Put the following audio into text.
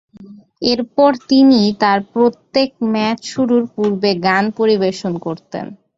এরপর তিনি তার প্রত্যেক ম্যাচ শুরুর পূর্বে গান পরিবেশন করতেন।